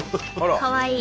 かわいい。